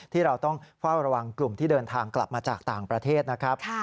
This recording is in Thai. ที่เราต้องเฝ้าระวังกลุ่มที่เดินทางกลับมาจากต่างประเทศนะครับ